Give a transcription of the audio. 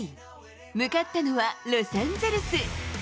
向かったのはロサンゼルス。